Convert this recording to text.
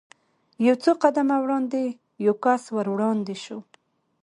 یو څو قدمه وړاندې یو کس ور وړاندې شو.